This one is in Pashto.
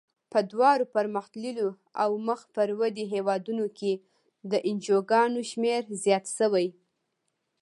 په دواړو پرمختللو او مخ پر ودې هېوادونو کې د انجوګانو شمیر زیات شوی.